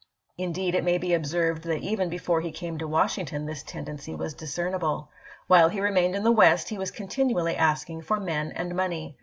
Indeed, it may be observed that even before he came to Washington this tendency was discernible. While he remained in the West he was continually asking for men and money.